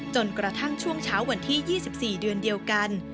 จนกระทั่งช่วงเช้าวันที่๒๔เดือนเดียวกัน